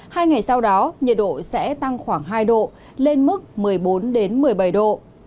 hai ngày sau đó nhiệt độ sẽ tăng khoảng hai độ lên mức một mươi bốn một mươi bảy độ